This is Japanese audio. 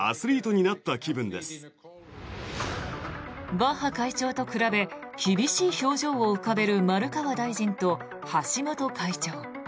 バッハ会長と比べ厳しい表情を浮かべる丸川大臣と橋本会長。